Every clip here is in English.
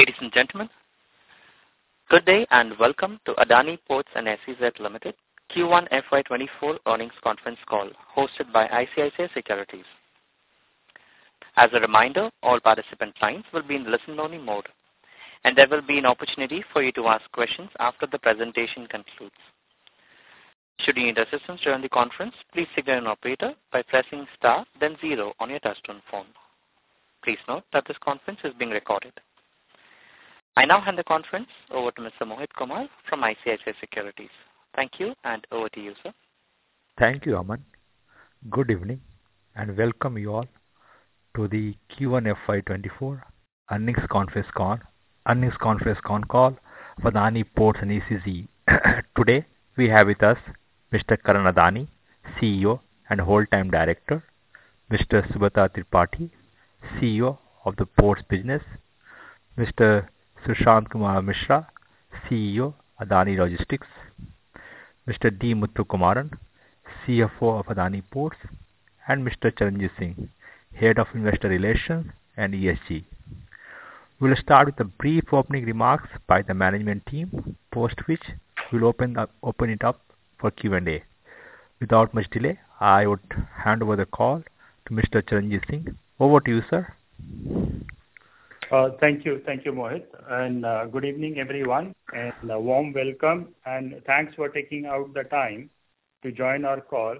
Ladies and gentlemen, good day and welcome to Adani Ports and SEZ Limited Q1 FY 2024 earnings conference call, hosted by ICICI Securities. As a reminder, all participant lines will be in listen-only mode, and there will be an opportunity for you to ask questions after the presentation concludes. Should you need assistance during the conference, please signal an operator by pressing Star, then Zero on your touchtone phone. Please note that this conference is being recorded. I now hand the conference over to Mr. Mohit Kumar from ICICI Securities. Thank you. Over to you, sir. Thank you, Aman. Welcome you all to the Q1 FY 2024 earnings conference call for Adani Ports and SEZ. Today, we have with us Mr. Karan Adani, CEO and Whole Time Director, Mr. Subrat Tripathi, CEO of the Ports Business, Mr. Sushant Kumar Mishra, CEO, Adani Logistics, Mr. D. Muthukumaren, CFO of Adani Ports, and Mr. Charanjit Singh, Head of Investor Relations and ESG. We'll start with a brief opening remarks by the management team, post which we'll open it up for Q&A. Without much delay, I would hand over the call to Mr. Charanjit Singh. Over to you, sir. Thank you. Thank you, Mohit, good evening, everyone, and a warm welcome. Thanks for taking out the time to join our call.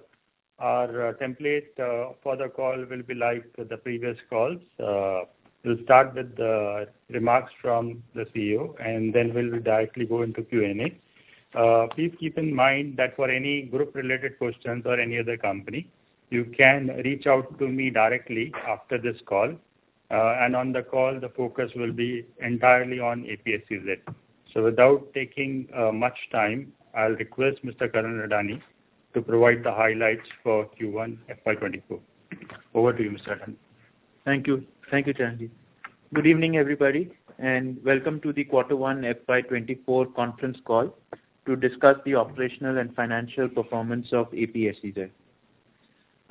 Our template for the call will be like the previous calls. We'll start with the remarks from the CEO, then we'll directly go into Q&A. Please keep in mind that for any group-related questions or any other company, you can reach out to me directly after this call. On the call, the focus will be entirely on APSEZ. Without taking much time, I'll request Mr. Karan Adani to provide the highlights for Q1 FY 2024. Over to you, Mr. Adani. Thank you. Thank you, Charanjit. Good evening, everybody, and welcome to the Quarter 1 FY 2024 conference call to discuss the operational and financial performance of APSEZ. I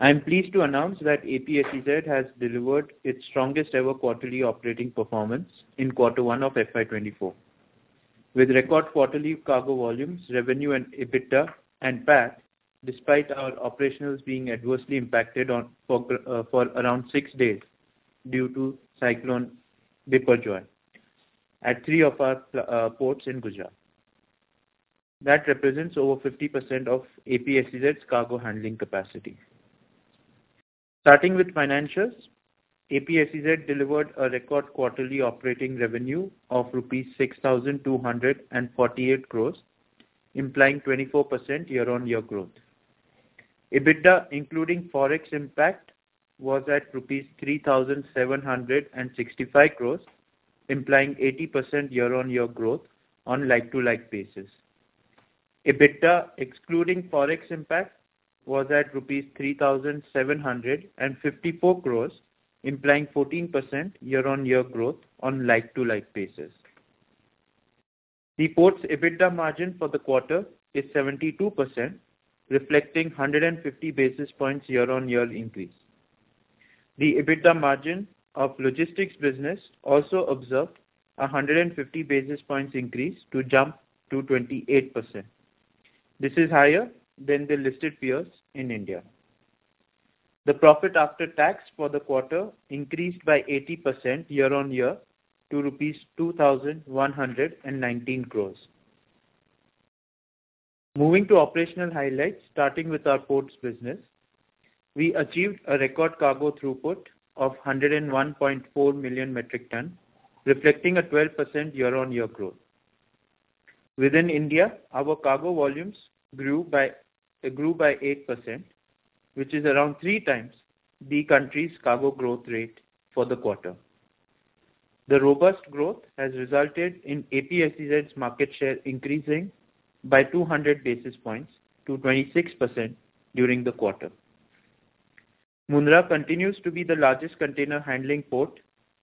am pleased to announce that APSEZ has delivered its strongest ever quarterly operating performance in Quarter 1 of FY 2024, with record quarterly cargo volumes, revenue and EBITDA and PAT, despite our operationals being adversely impacted around 6 days due to cyclone Biparjoy at 3 of our ports in Gujarat. That represents over 50% of APSEZ's cargo handling capacity. Starting with financials, APSEZ delivered a record quarterly operating revenue of rupees 6,248 crores, implying 24% year-on-year growth. EBITDA, including Forex impact, was at rupees 3,765 crores, implying 80% year-on-year growth on like-to-like basis. EBITDA, excluding Forex impact, was at rupees 3,754 crore, implying 14% year-on-year growth on like-to-like basis. The port's EBITDA margin for the quarter is 72%, reflecting 150 basis points year-on-year increase. The EBITDA margin of logistics business also observed 150 basis points increase to jump to 28%. This is higher than the listed peers in India. The profit after tax for the quarter increased by 80% year-on-year to rupees 2,119 crore. Moving to operational highlights, starting with our ports business. We achieved a record cargo throughput of 101.4 million metric ton, reflecting a 12% year-on-year growth. Within India, our cargo volumes grew by 8%, which is around 3 times the country's cargo growth rate for the quarter. The robust growth has resulted in APSEZ's market share increasing by 200 basis points to 26% during the quarter. Mundra continues to be the largest container handling port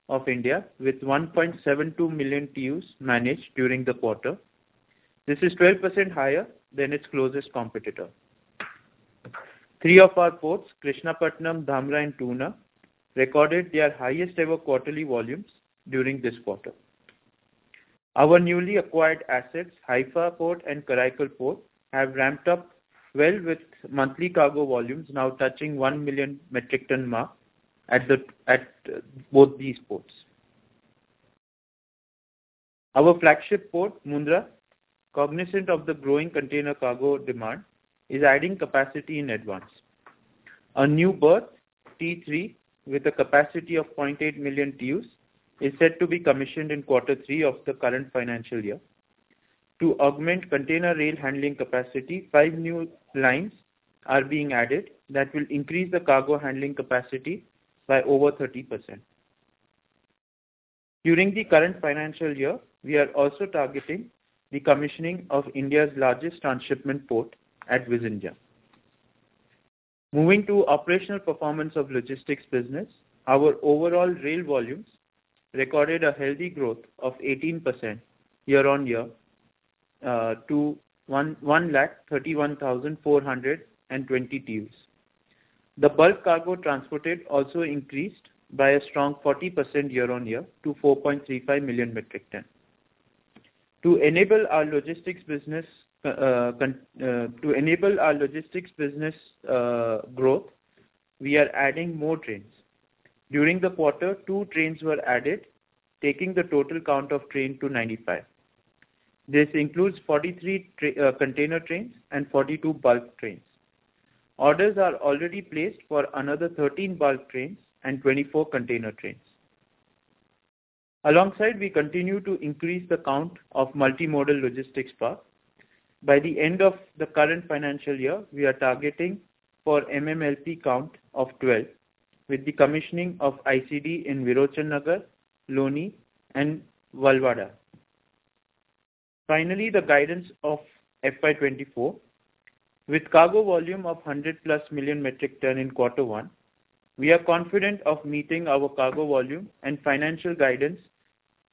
of India, with 1.72 million TEUs managed during the quarter. This is 12% higher than its closest competitor. Three of our ports, Krishnapatnam, Dhamra, and Tuna, recorded their highest ever quarterly volumes during this quarter. Our newly acquired assets, Haifa Port and Karaikal Port, have ramped up well, with monthly cargo volumes now touching 1 million metric ton mark at the, at both these ports. Our flagship port, Mundra, cognizant of the growing container cargo demand, is adding capacity in advance. A new berth, T3, with a capacity of 0.8 million TEUs, is set to be commissioned in Q3 of the current financial year. To augment container rail handling capacity, 5 new lines are being added that will increase the cargo handling capacity by over 30%. During the current financial year, we are also targeting the commissioning of India's largest transshipment port at Vizhinjam. Moving to operational performance of logistics business, our overall rail volumes recorded a healthy growth of 18% year-on-year to 131,420 TEUs. The bulk cargo transported also increased by a strong 40% year-on-year to 4.35 million metric tons. To enable our logistics business growth, we are adding more trains. During the quarter, two trains were added, taking the total count of train to 95. This includes 43 container trains and 42 bulk trains. Orders are already placed for another 13 bulk trains and 24 container trains. Alongside, we continue to increase the count of multimodal logistics park. By the end of the current financial year, we are targeting for MMLP count of 12, with the commissioning of ICD in Virochannagar, Loni and Valvada. Finally, the guidance of FY 2024. With cargo volume of 100+ million metric ton in quarter one, we are confident of meeting our cargo volume and financial guidance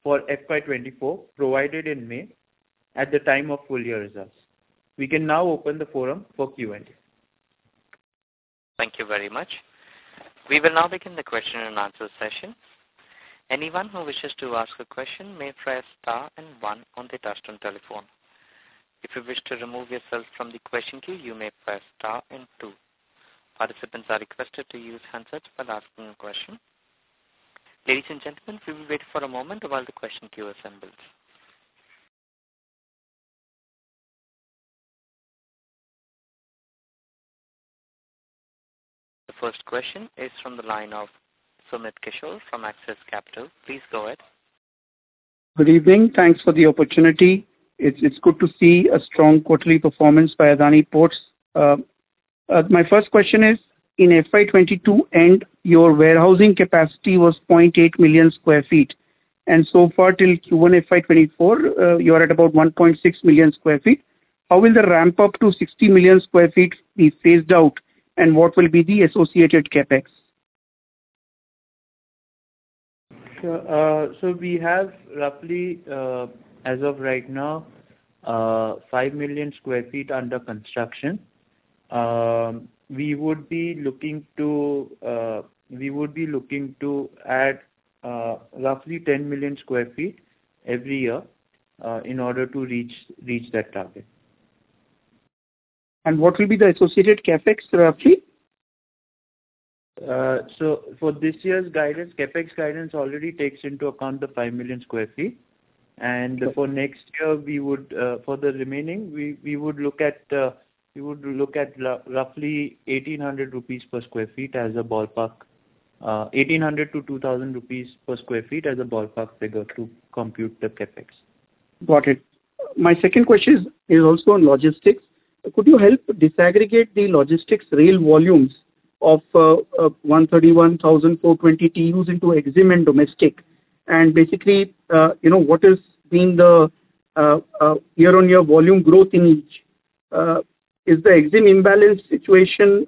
for FY 2024, provided in May at the time of full year results. We can now open the forum for Q&A. Thank you very much. We will now begin the question and answer session. Anyone who wishes to ask a question may "press star and one" on the touchtone telephone. If you wish to remove yourself from the question queue, you may "press star and two". Participants are requested to use handsets while asking a question. Ladies and gentlemen, we will wait for a moment while the question queue assembles. The first question is from the line of Sumit Kishore from Axis Capital. Please go ahead. Good evening. Thanks for the opportunity. It's, it's good to see a strong quarterly performance by Adani Ports. My first question is, in FY 2022 end, your warehousing capacity was 0.8 million sq ft, and so far, till Q1 FY 2024, you are at about 1.6 million sq ft. How will the ramp up to 60 million sq ft be phased out, and what will be the associated CapEx? We have roughly as of right now 5 million square feet under construction. We would be looking to we would be looking to add roughly 10 million square feet every year in order to reach, reach that target. What will be the associated CapEx roughly? For this year's guidance, CapEx guidance already takes into account the 5 million sq ft. For next year, we would for the remaining, we would look at, we would look at roughly 1,800 rupees per sq ft as a ballpark. 1,800-2,000 rupees per sq ft, as a ballpark figure to compute the CapEx. Got it. My second question is, is also on logistics. Could you help disaggregate the logistics rail volumes of 131,420 TEUs into EXIM and domestic? Basically, you know, what has been the year-on-year volume growth in each? Is the EXIM imbalance situation,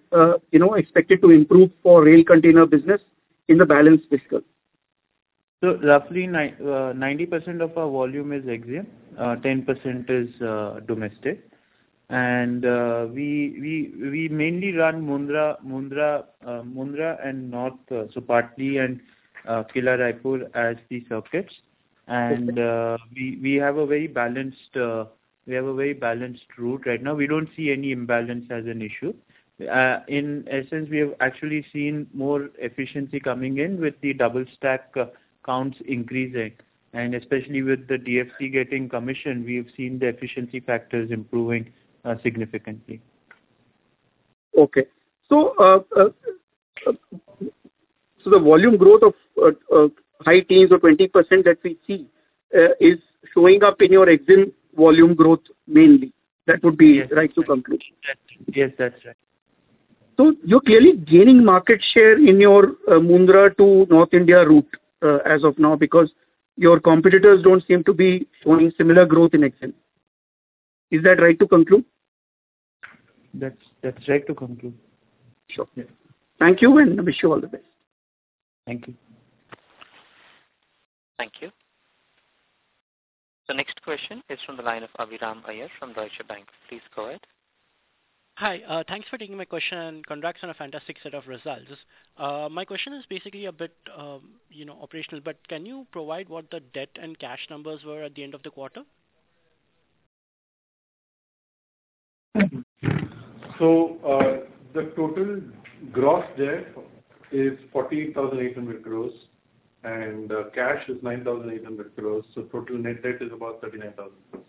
you know, expected to improve for rail container business in the balanced fiscal? Roughly nine, 90% of our volume is EXIM, 10% is domestic. We, we, we mainly run Mundra, Mundra, Mundra and North Supatly and Kila Raipur as the circuits. We, we have a very balanced, we have a very balanced route right now. We don't see any imbalance as an issue. In essence, we have actually seen more efficiency coming in with the double stack counts increasing. Especially with the DFC getting commissioned, we have seen the efficiency factors improving significantly. Okay. The volume growth of high teens or 20% that we see is showing up in your EXIM volume growth, mainly? That would be-right to conclude. That's. Yes, that's right. You're clearly gaining market share in your Mundra to North India route, as of now, because your competitors don't seem to be showing similar growth in EXIM. Is that right to conclude? That's, that's right to conclude. Yeah. Thank you, and wish you all the best. Thank you. Thank you. The next question is from the line of Aviram Iyer from Deutsche Bank. Please go ahead. Hi, thanks for taking my question, and congrats on a fantastic set of results. My question is basically a bit, you know, operational, but can you provide what the debt and cash numbers were at the end of the quarter? The total gross debt is 48,800 crore, and cash is 9,800 crore. Total net debt is about 39,000 crore.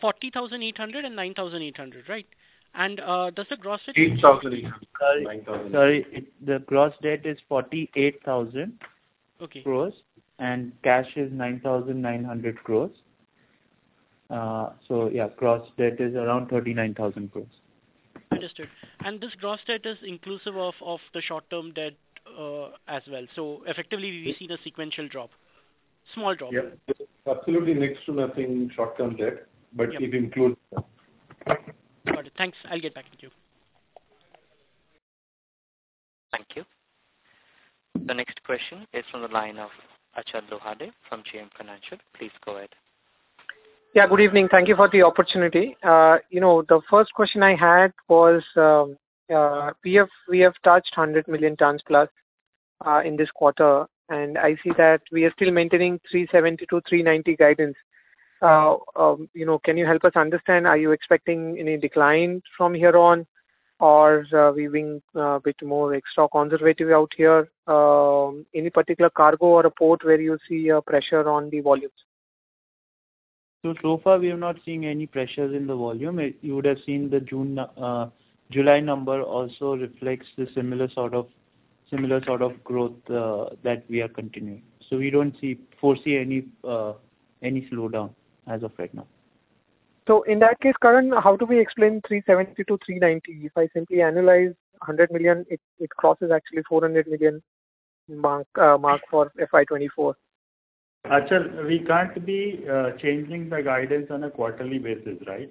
40,800 and 9,800, right? Does the gross debt- Eight thousand eight hundred, nine thousand- Sorry, sorry. The gross debt is 48,000- Okay. crores. Cash is 9,900 crore. Yeah, gross debt is around 39,000 crore. Understood. This gross debt is inclusive of, of the short-term debt, as well. Effectively, we've seen a sequential drop. Small drop. Yeah. Absolutely next to nothing short-term debt. It includes. Got it. Thanks. I'll get back to you. Thank you. The next question is from the line of Achal Lohade from JM Financial. Please go ahead. Yeah, good evening. Thank you for the opportunity. You know, the first question I had was, we have, we have touched 100 million tons plus in this quarter, and I see that we are still maintaining 370-390 guidance. You know, can you help us understand, are you expecting any decline from here on, or we being bit more extra conservative out here? Any particular cargo or a port where you see a pressure on the volumes? So far, we are not seeing any pressures in the volume. You would have seen the June July number also reflects the similar sort of, similar sort of growth that we are continuing. We don't foresee any slowdown as of right now. In that case, Karan, how do we explain 370 to 390? If I simply analyze 100 million, it, it crosses actually 400 million mark, mark for FY 2024. Achal, we can't be changing the guidance on a quarterly basis, right?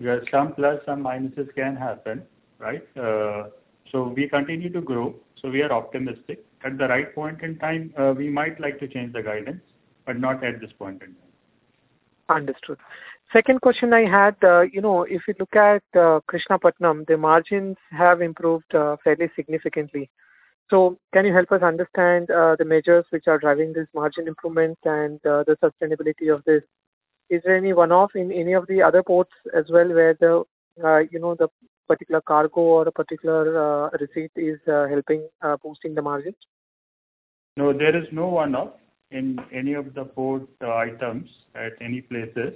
We have some plus, some minuses can happen, right? We continue to grow, so we are optimistic. At the right point in time, we might like to change the guidance, but not at this point in time. Understood. Second question I had, you know, if you look at Krishnapatnam, the margins have improved fairly significantly. Can you help us understand the measures which are driving this margin improvements and the sustainability of this? Is there any one-off in any of the other ports as well, where the, you know, the particular cargo or a particular receipt is helping boosting the margins? No, there is no one-off in any of the port items at any places.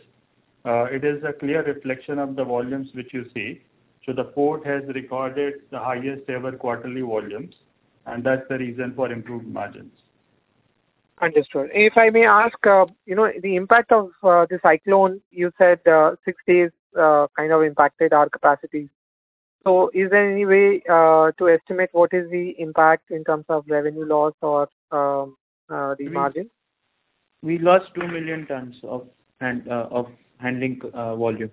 It is a clear reflection of the volumes which you see. The port has recorded the highest ever quarterly volumes, and that's the reason for improved margins. Understood. If I may ask, you know, the impact of the cyclone, you said, six days, kind of impacted our capacity. Is there any way to estimate what is the impact in terms of revenue loss or the margin? We lost 2 million tons of handling volume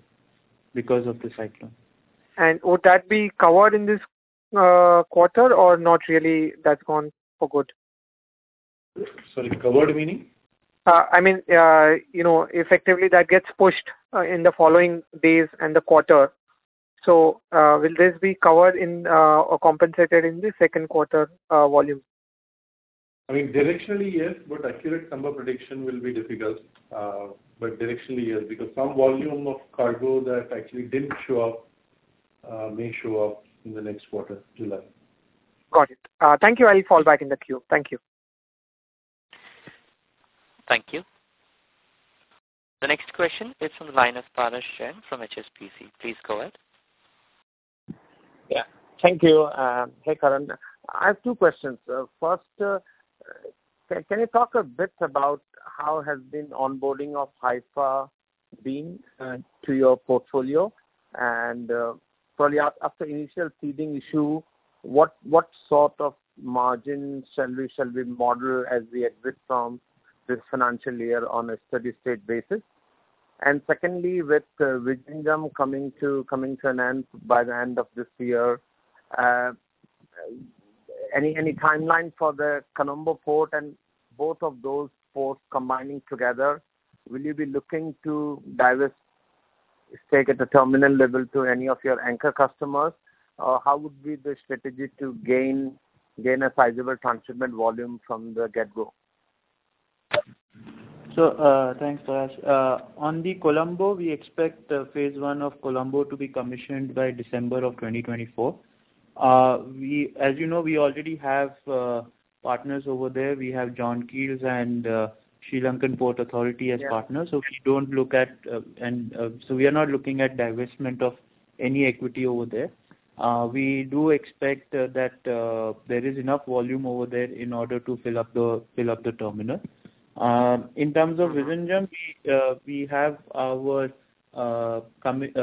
because of the cyclone. Would that be covered in this quarter, or not really, that's gone for good? Sorry, covered meaning? I mean, you know, effectively, that gets pushed in the following days and the quarter. Will this be covered in, or compensated in the second quarter, volume? I mean, directionally, yes, but accurate number prediction will be difficult. Directionally, yes, because some volume of cargo that actually didn't show up, may show up in the next quarter, July. Got it. Thank you. I'll fall back in the queue. Thank you. Thank you. The next question is from the line of Paras Shah from HSBC. Please go ahead. Yeah. Thank you. Hey, Karan. I have two questions. First, can you talk a bit about how has been onboarding of Haifa been to your portfolio? Probably after initial seeding issue, what, what sort of margins shall we, shall we model as we exit from this financial year on a steady state basis? Secondly, with Vizhinjam coming to an end by the end of this year, any timeline for the Colombo port and both of those ports combining together, will you be looking to divest stake at the terminal level to any of your anchor customers? How would be the strategy to gain, gain a sizable transshipment volume from the get-go? Thanks, Paras. On the Colombo, we expect phase one of Colombo to be commissioned by December of 2024. As you know, we already have partners over there. We have John Keells and Sri Lanka Ports Authority as partners. We don't look at, and so we are not looking at divestment of any equity over there. We do expect that there is enough volume over there in order to fill up the, fill up the terminal. In terms of Vizhinjam, we have our coming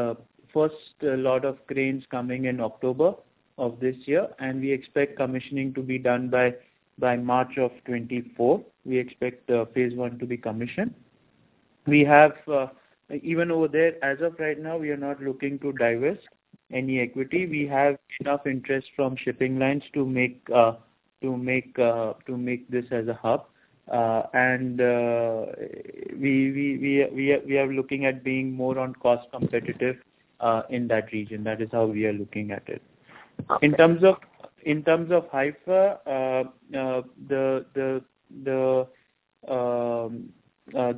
first lot of cranes coming in October of this year, and we expect commissioning to be done by March of 2024. We expect phase one to be commissioned. We have even over there, as of right now, we are not looking to divest any equity. We have enough interest from shipping lines to make to make to make this as a hub. And we, we, we, we are, we are looking at being more on cost competitive in that region. That is how we are looking at it. In terms of, in terms of Haifa,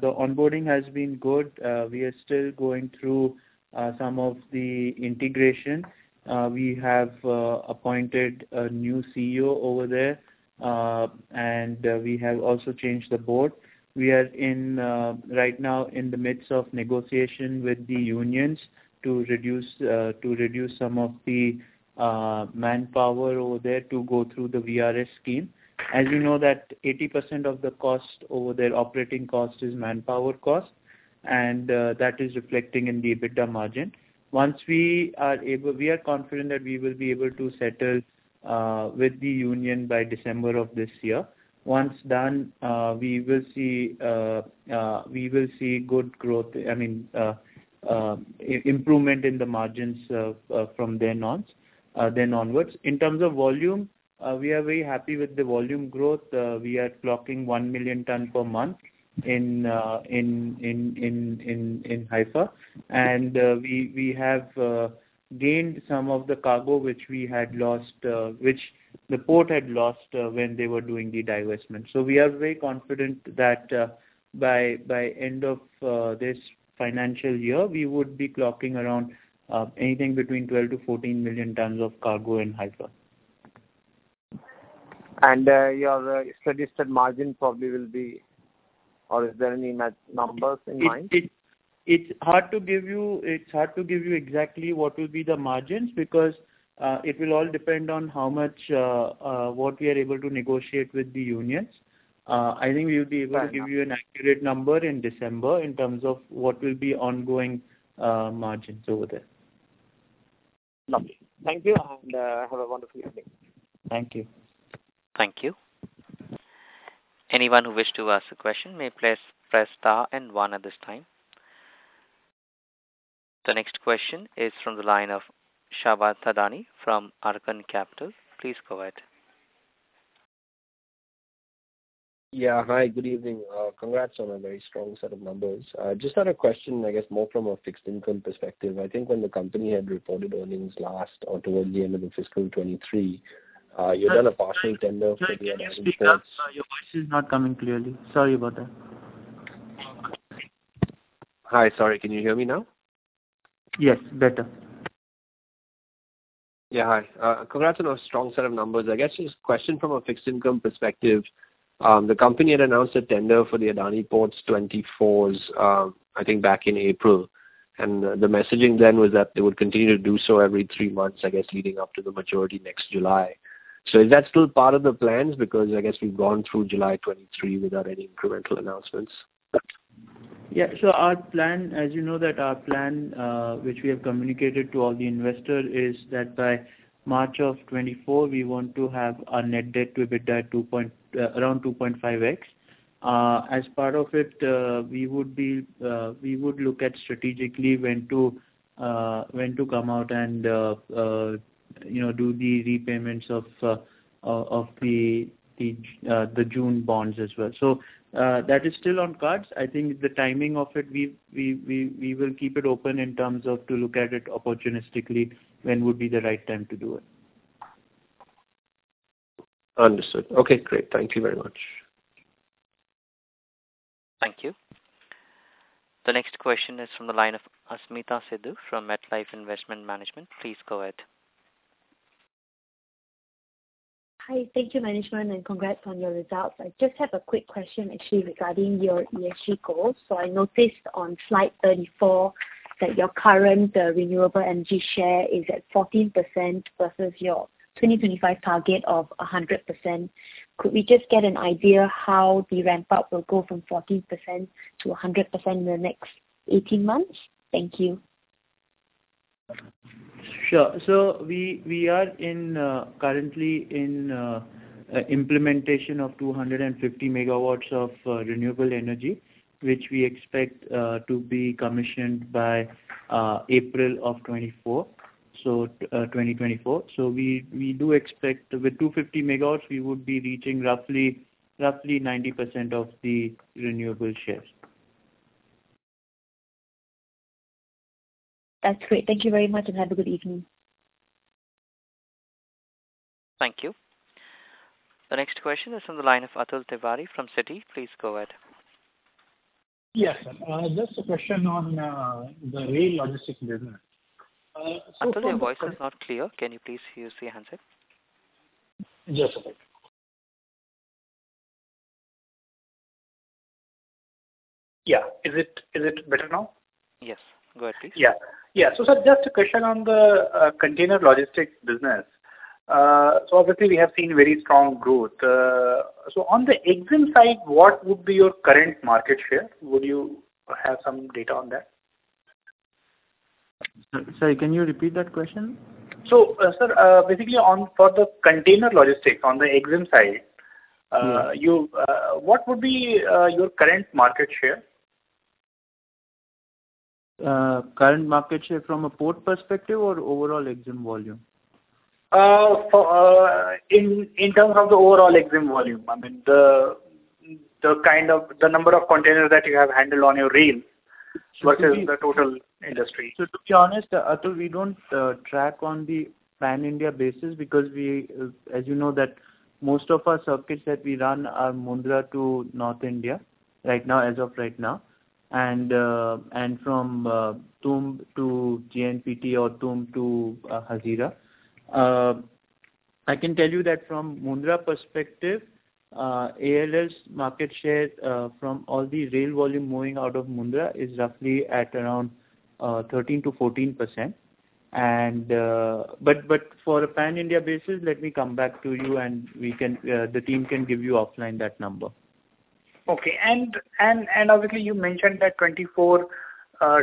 the onboarding has been good. We are still going through some of the integration. We have appointed a new CEO over there, and we have also changed the board. We are in right now in the midst of negotiation with the unions to reduce to reduce some of the manpower over there to go through the VRS scheme. As you know, that 80% of the cost over there, operating cost, is manpower cost, and that is reflecting in the EBITDA margin. Once we are able-- We are confident that we will be able to settle with the union by December of this year. Once done, we will see good growth, I mean, improvement in the margins from then on, then onwards. In terms of volume, we are very happy with the volume growth. We are clocking 1 million ton per month in Haifa. We have gained some of the cargo which we had lost, which the port had lost when they were doing the divestment. We are very confident that by end of this financial year, we would be clocking around anything between 12 to 14 million tons of cargo in Haifa. your registered margin probably will be, or is there any numbers in mind? It's hard to give you exactly what will be the margins, because, it will all depend on how much, what we are able to negotiate with the unions. I think we will be able- Fair enough. To give you an accurate number in December, in terms of what will be ongoing, margins over there. Okay. Thank you, and have a wonderful evening. Thank you. Thank you. Anyone who wish to ask a question, may "please press star one" at this time. The next question is from the line of Shabad Thadani from Arkhan Capital. Please go ahead. Yeah. Hi, good evening. Congrats on a very strong set of numbers. Just had a question, I guess, more from a fixed income perspective. I think when the company had reported earnings last or towards the end of the fiscal 2023, you done a partial tender for the Adani Ports. Sorry, speak up. Your voice is not coming clearly. Sorry about that. Hi, sorry. Can you hear me now? Yes, better. Yeah, hi. Congrats on a strong set of numbers. I guess, just a question from a fixed income perspective. The company had announced a tender for the Adani Ports '24s, I think back in April. The, the messaging then was that they would continue to do so every three months, I guess, leading up to the maturity next July. Is that still part of the plans? I guess we've gone through July 2023 without any incremental announcements. Yeah. Our plan, as you know that our plan, which we have communicated to all the investor, is that by March of 2024, we want to have our net debt to EBITDA around 2.5x. As part of it, we would be, we would look at strategically when to, when to come out and, you know, do the repayments of, of, of the, the June bonds as well. That is still on cards. I think the timing of it, we, we, we, we will keep it open in terms of to look at it opportunistically, when would be the right time to do it. Understood. Okay, great. Thank you very much. Thank you. The next question is from the line of Asmita Sidhu from MetLife Investment Management. Please go ahead. Hi. Thank you, management, and congrats on your results. I just have a quick question, actually, regarding your ESG goals. I noticed on slide 34, that your current renewable energy share is at 14% versus your 2025 target of 100%. Could we just get an idea how the ramp-up will go from 14% to 100% in the next 18 months? Thank you. Sure. We, we are in currently in implementation of 250 megawatts of renewable energy, which we expect to be commissioned by April of 2024, 2024. We, we do expect with 250 megawatts, we would be reaching roughly, roughly 90% of the renewable shares. That's great. Thank you very much, and have a good evening. Thank you. The next question is from the line of Atul Tiwari from Citi. Please go ahead. Yes, sir. Just a question on the rail logistics business? Atul, your voice is not clear. Can you please use your handset? Just a second. Yeah. Is it, is it better now? Yes. Go ahead, please. Yeah. Yeah, sir, just a question on the container logistics business. Obviously we have seen very strong growth. On the EXIM side, what would be your current market share? Would you have some data on that? Sir, sorry, can you repeat that question? Sir, basically on, for the container logistics, on the EXIM side. You, what would be your current market share? Current market share from a port perspective or overall EXIM volume? In terms of the overall EXIM volume. I mean, the kind of, the number of containers that you have handled on your rail- So to be- versus the total industry. To be honest, Atul, we don't track on the pan-India basis because we, as you know, that most of our circuits that we run are Mundra to North India, right now, as of right now, and from Tumb to GNPT or Tumb to Hazira. I can tell you that from Mundra perspective, ALL's market share from all the rail volume moving out of Mundra is roughly at around 13%-14%. But for a pan-India basis, let me come back to you and we can the team can give you offline that number. Okay. Obviously, you mentioned that 24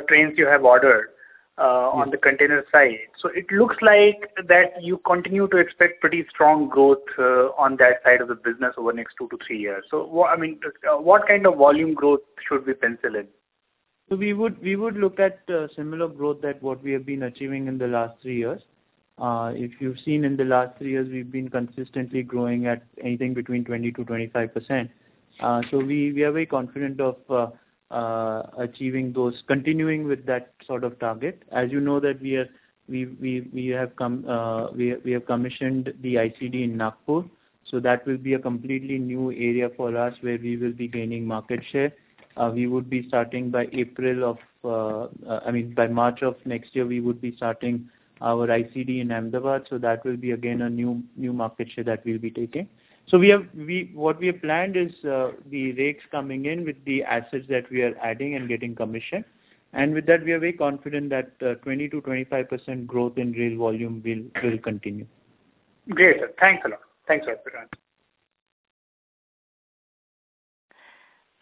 trains you have ordered. on the container side. It looks like that you continue to expect pretty strong growth on that side of the business over the next two to three years. What, I mean, what kind of volume growth should we pencil in? We would, we would look at similar growth that what we have been achieving in the last three years. If you've seen in the last three years, we've been consistently growing at anything between 20%-25%. We are very confident of achieving those, continuing with that sort of target. As you know that we have commissioned the ICD in Nagpur, so that will be a completely new area for us, where we will be gaining market share. We would be starting by April of, I mean, by March of next year, we would be starting our ICD in Ahmedabad, so that will be again a new, new market share that we'll be taking. We have, what we have planned is, the rakes coming in with the assets that we are adding and getting commission. With that, we are very confident that 20%-25% growth in rail volume will continue. Great, sir. Thanks a lot. Thanks, everyone.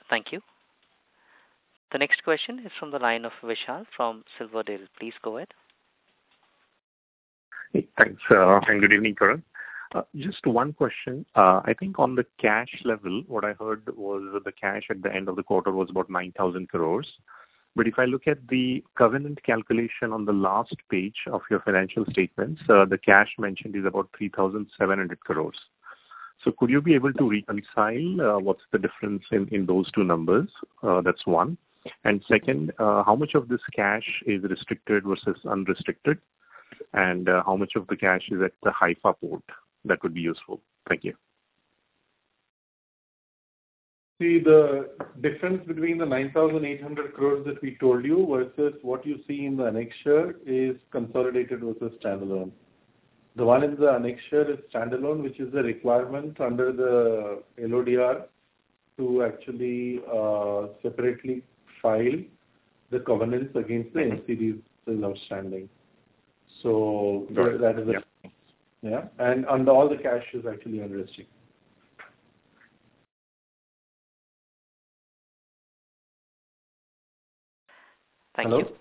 Thank you. The next question is from the line of Vishal from Silverdale. Please go ahead. Hey, thanks. Good evening, Karan. Just one question. I think on the cash level, what I heard was that the cash at the end of the quarter was about 9,000 crore. If I look at the covenant calculation on the last page of your financial statements, the cash mentioned is about 3,700 crore. Could you be able to reconcile, what's the difference in those two numbers? That's one. Second, how much of this cash is restricted versus unrestricted? How much of the cash is at the Haifa Port? That would be useful. Thank you. See, the difference between the 9,800 crore that we told you, versus what you see in the annexure, is consolidated versus standalone. The one in the annexure is standalone, which is a requirement under the LODR to actually separately file the covenants against the NCDs that is outstanding. That is it. Yeah. All the cash is actually unrestricted. Thank you. Hello?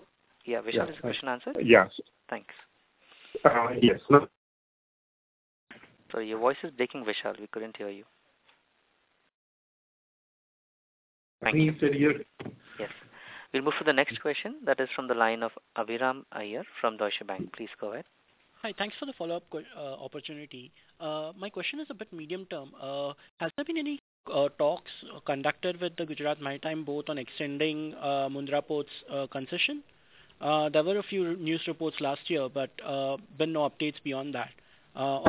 Yeah. Vishal, is your question answered? Yeah. Thanks. Yes. Well- Sorry, your voice is breaking, Vishal. We couldn't hear you. Can you still hear? Yes. We'll move to the next question. That is from the line of Aviram Iyer from Deutsche Bank. Please go ahead. Hi. Thanks for the follow-up opportunity. My question is a bit medium-term. Has there been any talks conducted with the Gujarat Maritime, both on extending Mundra Port's concession? There were a few news reports last year, been no updates beyond that.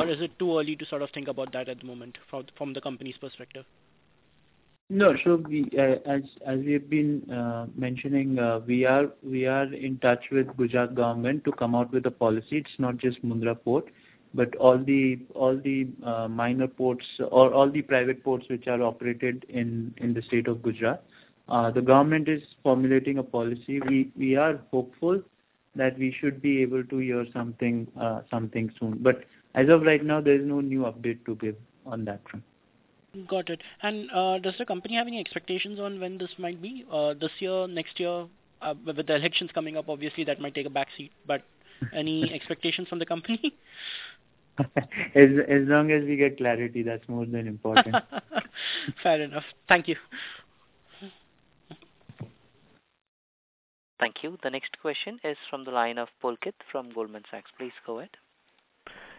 Is it too early to sort of think about that at the moment from, from the company's perspective? We, as, as we've been mentioning, we are, we are in touch with Gujarat government to come out with a policy. It's not just Mundra Port, but all the, all the minor ports or all the private ports which are operated in, in the state of Gujarat. The government is formulating a policy. We, we are hopeful that we should be able to hear something soon. As of right now, there is no new update to give on that front. Got it. Does the company have any expectations on when this might be? This year, next year? With, with the elections coming up, obviously, that might take a backseat. Any expectations from the company? As long as we get clarity, that's more than important. Fair enough. Thank you. Thank you. The next question is from the line of Pulkit from Goldman Sachs. Please go ahead.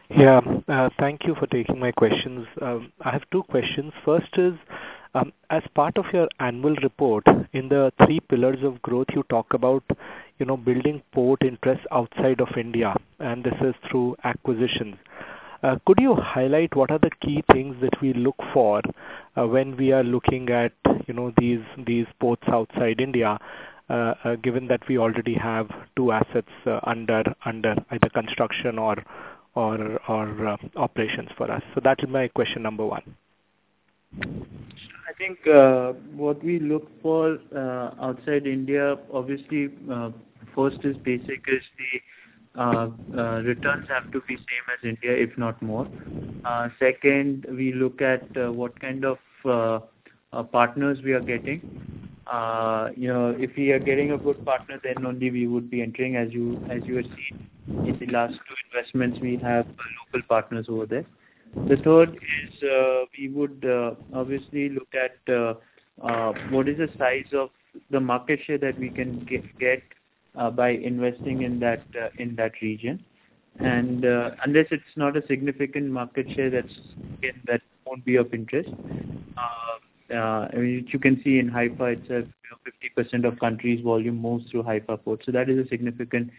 Yeah, thank you for taking my questions. I have two questions. First is, as part of your annual report, in the three pillars of growth, you talk about, you know, building port interest outside of India, and this is through acquisition. Could you highlight what are the key things that we look for, when we are looking at, you know, these, these ports outside India, given that we already have two assets, under, under either construction or, or, or, operations for us? That is my question number onechara. Sure. I think what we look for outside India, obviously, first is basic is the returns have to be same as India, if not more. Second, we look at what kind of partners we are getting. You know, if we are getting a good partner, then only we would be entering. As you, as you have seen in the last two investments, we have local partners over there. The third is, we would obviously look at what is the size of the market share that we can get by investing in that in that region. Unless it's not a significant market share, that's, again, that won't be of interest. As you can see in Haifa, it's, you know, 50% of country's volume moves through Haifa Port. That is a significant,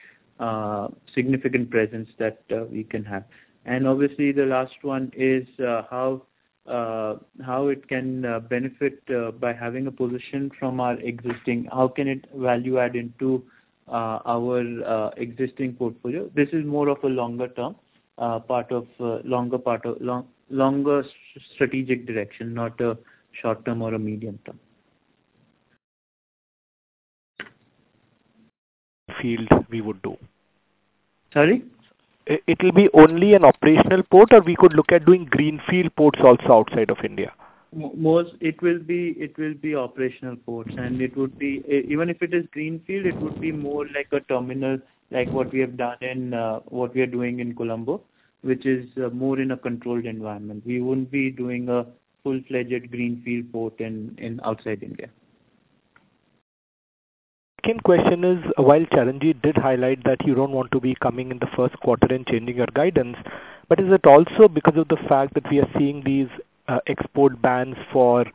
significant presence that we can have. Obviously, the last one is how how it can benefit by having a position from our existing... How can it value add into our existing portfolio? This is more of a longer term, part of longer part of long, longer strategic direction, not a short term or a medium term. Field we would do. Sorry? It will be only an operational port, or we could look at doing greenfield ports also outside of India? Most it will be, it will be operational ports, and it would be. Even if it is greenfield, it would be more like a terminal, like what we have done in what we are doing in Colombo, which is more in a controlled environment. We wouldn't be doing a full-fledged greenfield port in, in outside India. Second question is, while Challenger did highlight that you don't want to be coming in the first quarter and changing your guidance, is it also because of the fact that we are seeing these, export bans for,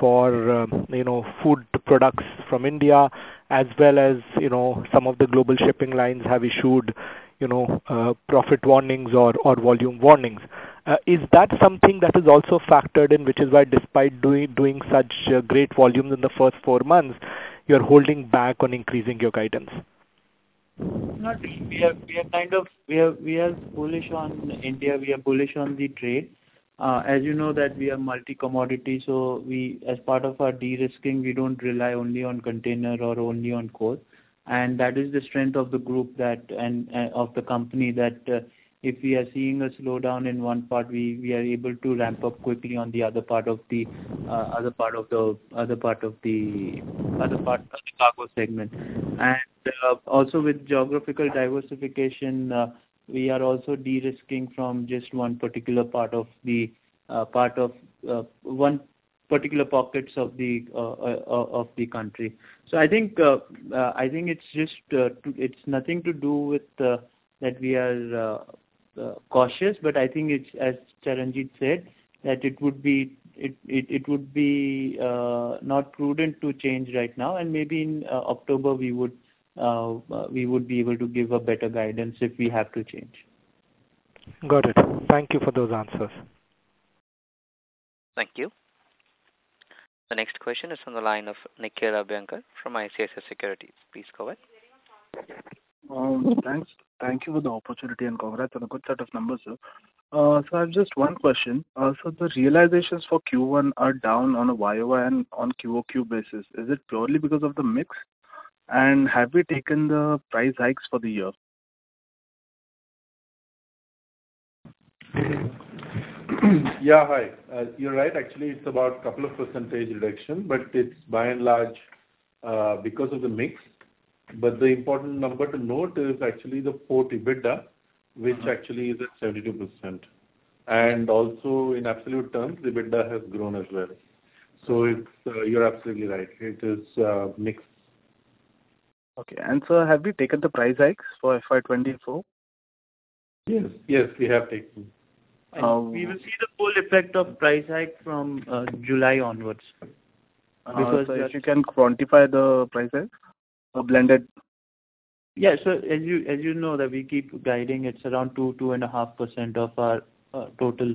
for, you know, food products from India, as well as, you know, some of the global shipping lines have issued, you know, profit warnings or, or volume warnings? Is that something that is also factored in, which is why despite doing, doing such, great volumes in the first four months, you're holding back on increasing your guidance? No, we are, we are bullish on India, we are bullish on the trade. As you know, that we are multi-commodity, so we, as part of our de-risking, we don't rely only on container or only on coal. That is the strength of the group, that and of the company, that if we are seeing a slowdown in one part, we, we are able to ramp up quickly on the other part of the other part of the other part of the other part of the cargo segment. Also with geographical diversification, we are also de-risking from just one particular part of the part of one particular pockets of the of the country. I think, I think it's just, it's nothing to do with, that we are, cautious, but I think it's as Charanjit said, that it would be it, it, it would be, not prudent to change right now, and maybe in October, we would, we would be able to give a better guidance if we have to change. Got it. Thank you for those answers. Thank you. The next question is from the line of Nikhil Abhyankar from ICICI Securities. Please go ahead. Thanks. Thank you for the opportunity, and congrats on the good set of numbers, sir. I have just 1 question. The realizations for Q1 are down on a Y-o-Y and on QoQ basis. Is it purely because of the mix? Have you taken the price hikes for the year? Yeah. Hi, you're right. Actually, it's about a 2% reduction, but it's by and large, because of the mix. The important number to note is actually the port EBITDA, which actually is at 72%. In absolute terms, EBITDA has grown as well. It's, you're absolutely right. It is, mix. Okay. Sir, have you taken the price hikes for FY 2024? Yes. Yes, we have taken. Uh- We will see the full effect of price hike from July onwards. Because that- If you can quantify the price hike or blended? Yeah. As you, as you know, that we keep guiding, it's around 2-2.5% of our total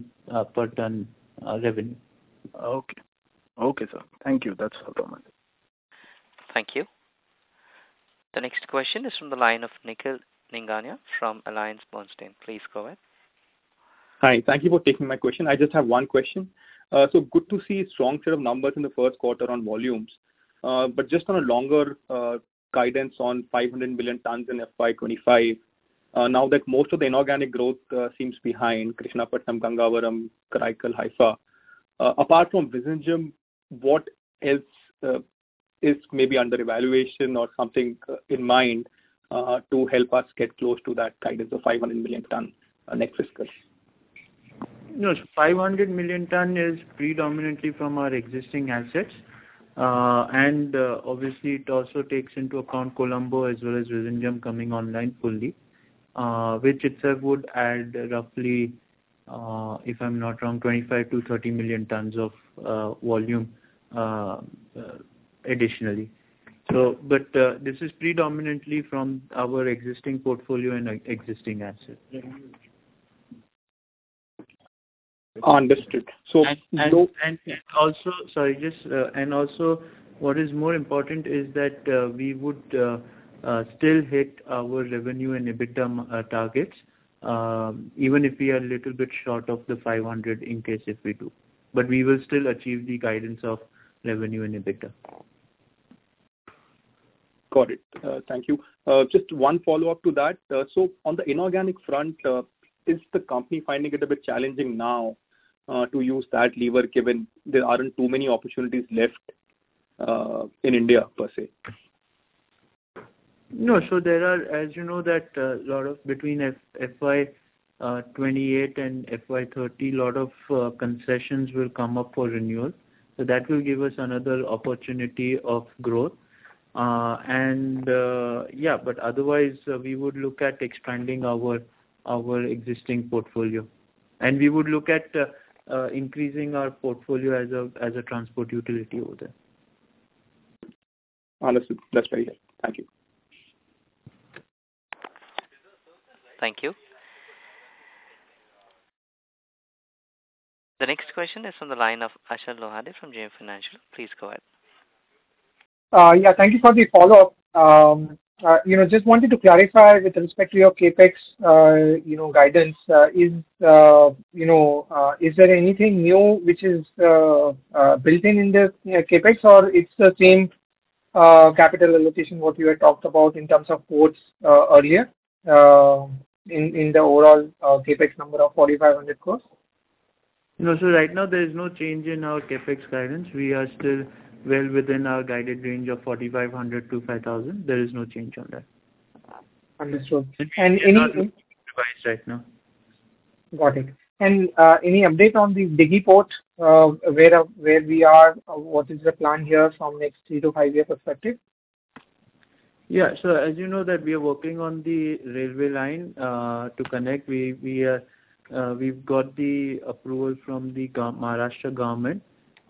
per ton revenue. Okay. Okay, sir. Thank you. That's all from my end. Thank you. The next question is from the line of Nikhil Nigania from AllianceBernstein. Please go ahead. taking my question. I just have 1 question. Good to see strong set of numbers in the first quarter on volumes. But just on a longer guidance on 500 million tons in FY 2025, now that most of the inorganic growth seems behind Krishnapatnam, Gangavaram, Coracle, Haifa. Apart from Vizhinjam, what else is maybe under evaluation or something in mind to help us get close to that guidance of 500 million tons next fiscal? No, 500 million tons is predominantly from our existing assets. Obviously, it also takes into account Colombo as well as Vizhinjam coming online fully, which itself would add roughly, if I'm not wrong, 25-30 million tons of volume additionally. But this is predominantly from our existing portfolio and existing assets. understood. Also. Sorry, just, and also what is more important is that we would still hit our revenue and EBITDA targets even if we are a little bit short of the 500, in case if we do. We will still achieve the guidance of revenue and EBITDA. Got it. Thank you. Just one follow-up to that. On the inorganic front, is the company finding it a bit challenging now, to use that lever, given there aren't too many opportunities left, in India, per se? No. There are, as you know, that, lot of between FY 2028 and FY 2030, lot of concessions will come up for renewal. That will give us another opportunity of growth. Otherwise, we would look at expanding our, our existing portfolio. We would look at increasing our portfolio as a, as a transport utility over there. Understood. That's very helpful. Thank you. Thank you. The next question is from the line of Achal Lohade from JM Financial. Please go ahead. Yeah, thank you for the follow-up. You know, just wanted to clarify with respect to your CapEx, you know, guidance, is, you know, is there anything new which is built-in in the CapEx, or it's the same capital allocation what you had talked about in terms of ports, earlier, in, in the overall CapEx number of 4,500 crores? No, right now, there is no change in our CapEx guidance. We are still well within our guided range of 4,500-5,000. There is no change on that. Understood. And any- Right now. Got it. Any update on the Diggy port, where, where we are? What is the plan here from next 3 to 5 years perspective? Yeah. So as you know that we are working on the railway line to connect. We, we, we've got the approval from the Maharashtra government,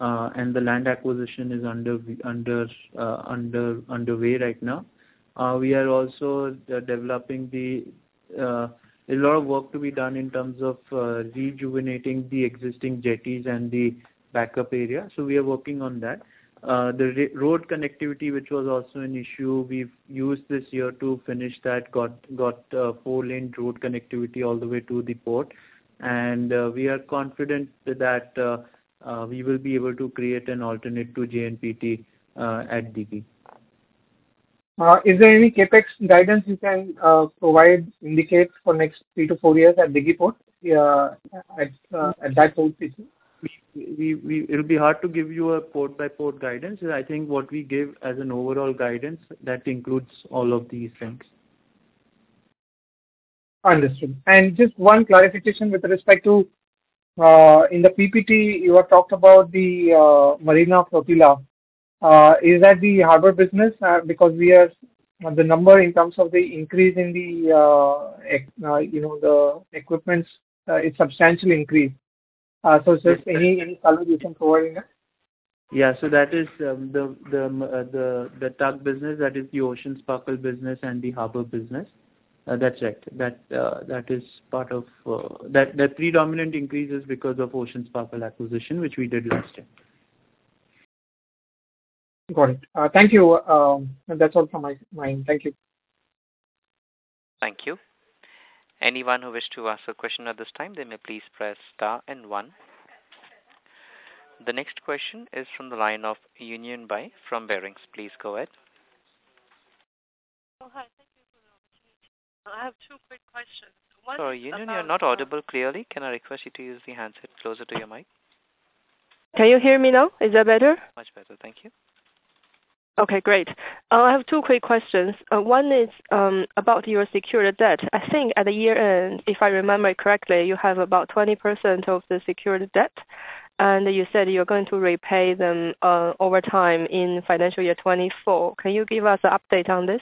and the land acquisition is underway right now. We are also developing the. A lot of work to be done in terms of rejuvenating the existing jetties and the backup area, so we are working on that. The road connectivity, which was also an issue, we've used this year to finish that. Got, got, 4-lane road connectivity all the way to the port. We are confident that we will be able to create an alternate to JNPT at Diggy. Is there any CapEx guidance you can provide, indicate for next three to four years at Digport? Yeah, at, at that port? It'll be hard to give you a port-by-port guidance. I think what we give as an overall guidance, that includes all of these things. Understood. Just one clarification with respect to, in the PPT, you have talked about the, Marine Flotilla. Is that the harbor business? Because we are, the number in terms of the increase in the, you know, the equipments, it's substantially increased. So is there any, any color you can provide in that? Yeah. That is, the, the, the, the tug business. That is the Ocean Sparkle business and the harbor business. That's right. That, that is part of... That, that predominant increase is because of Ocean Sparkle acquisition, which we did last year. Got it. Thank you. That's all from my end. Thank you. Thank you. Anyone who wish to ask a question at this time, they may "please press star one". The next question is from the line of Yunyun Bai from Barings. Please go ahead. Oh, hi. Thank you for the opportunity. I have two quick questions. Sorry, Union, you're not audible clearly. Can I request you to use the handset closer to your mic? Can you hear me now? Is that better? Much better. Thank you. Okay, great. I have two quick questions. One is about your secured debt. I think at the year-end, if I remember correctly, you have about 20% of the secured debt, and you said you're going to repay them over time in financial year 2024. Can you give us an update on this?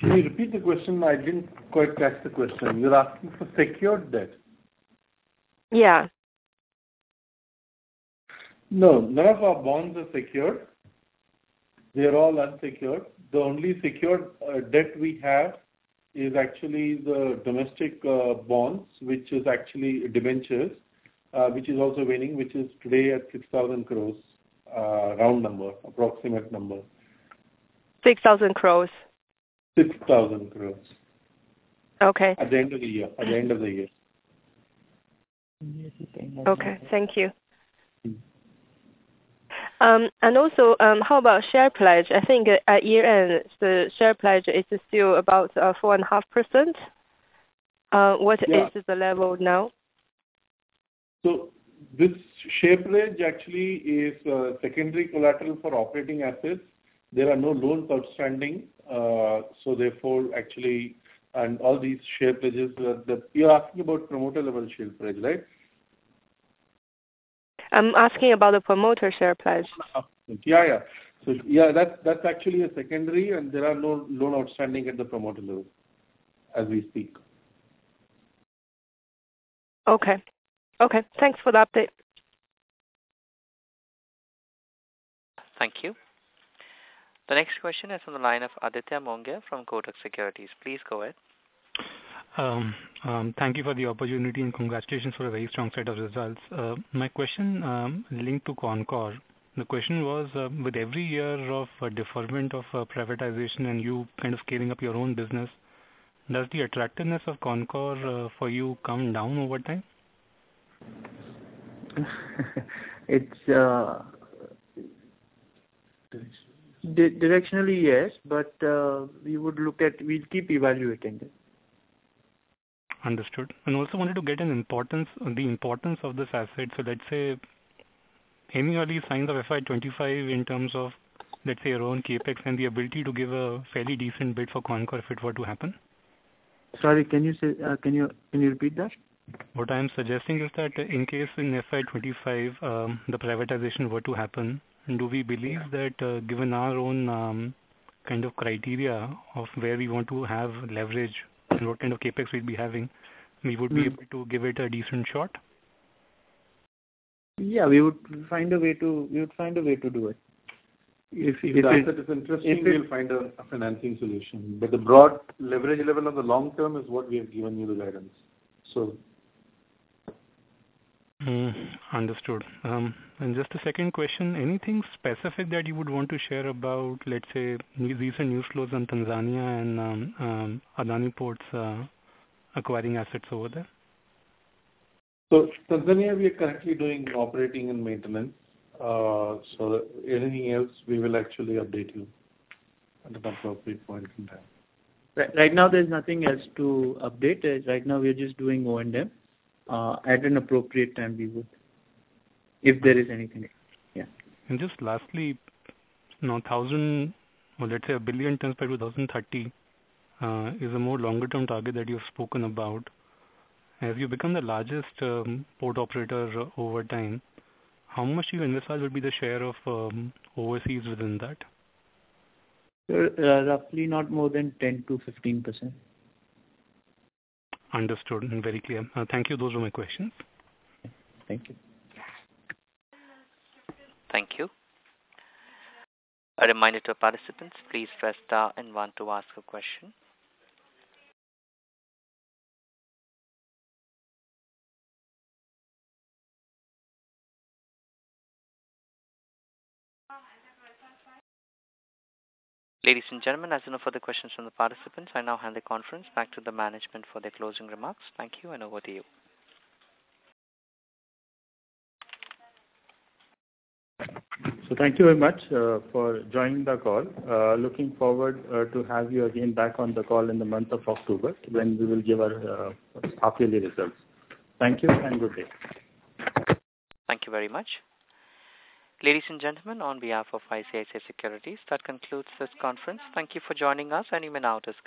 Can you repeat the question? I didn't quite catch the question. You're asking for secured debt? Yeah. No, none of our bonds are secured. They are all unsecured. The only secured debt we have is actually the domestic bonds, which is actually debentures, which is also waning, which is today at 6,000 crore, round number, approximate number. 6,000 crore? 6,000 crore. Okay. At the end of the year. At the end of the year. Okay, thank you. Also, how about share pledge? I think at year-end, the share pledge is still about, 4.5%. What is the level now? This share pledge actually is a secondary collateral for operating assets. There are no loans outstanding. Therefore, actually, all these share pledges... You're asking about promoter-level share pledge, right? I'm asking about the promoter share pledge. Oh, yeah, yeah. Yeah, that's, that's actually a secondary, and there are no loan outstanding at the promoter level, as we speak. Okay. Okay, thanks for the update. Thank you. The next question is from the line of Aditya Mongia from Kotak Securities. Please go ahead. Thank you for the opportunity, and congratulations for a very strong set of results. My question, linked to CONCOR. The question was, with every year of deferment of privatization and you kind of scaling up your own business, does the attractiveness of CONCOR for you come down over time? It's. Directionally. Di-directionally, yes, but, we would look at, we'll keep evaluating it. Understood. Also wanted to get an importance, the importance of this asset. Let's say, any early signs of FY 2025 in terms of, let's say, your own CapEx and the ability to give a fairly decent bid for CONCOR if it were to happen? Sorry, can you say, can you repeat that? What I'm suggesting is that in case in FY 2025, the privatization were to happen, do we believe that, given our own, kind of criteria of where we want to have leverage and what kind of CapEx we'd be having, we would be able to give it a decent shot? Yeah, we would find a way to do it. If it is- If the asset is interesting, we'll find a financing solution. The broad leverage level on the long term is what we have given you the guidance. Mm. Understood. Just a second question, anything specific that you would want to share about, let's say, recent news flows on Tanzania and Adani Ports, acquiring assets over there? Tanzania, we are currently doing operating and maintenance. So anything else, we will actually update you at an appropriate point in time. Right now, there's nothing else to update. Right now, we are just doing O&M. At an appropriate time, we would, if there is anything else. Yeah. Just lastly, now thousand, or let's say 1 billion tons by 2030, is a more longer-term target that you've spoken about. As you become the largest port operator over time, how much do you envisage would be the share of overseas within that? Roughly not more than 10%-15%. Understood. Very clear. Thank you. Those were my questions. Thank you. Thank you. A reminder to our participants, please "press star and one" to ask a question. Ladies and gentlemen, as there are no further questions from the participants, I now hand the conference back to the management for their closing remarks. Thank you, and over to you. Thank you very much for joining the call. Looking forward to have you again back on the call in the month of October, when we will give our quarterly results. Thank you, and good day. Thank you very much. Ladies and gentlemen, on behalf of ICICI Securities, that concludes this conference. Thank you for joining us, and you may now disconnect.